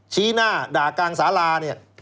ชี้หน้าด่ากลางสารา